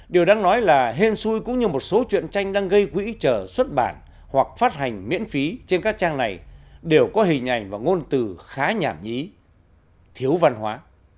điều đáng nói là hen xui cũng như một số chuyện tranh đang gây quỹ trở xuất bản hoặc phát hành miễn phí trên các trang này đều có hình ảnh và ngôn từ khá nhảm nhí thiếu văn hóa